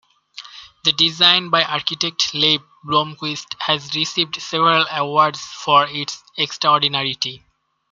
The design, by architect Leif Blomquist, has received several awards for its extraordinarity.